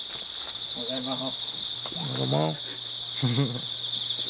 おはようございます。